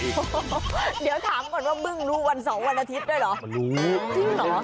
เดี๋ยวถามก่อนว่าบึ้งรู้วันเสาร์วันอาทิตย์ด้วยหรอ